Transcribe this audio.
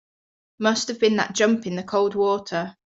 Must have been that jump in the cold water.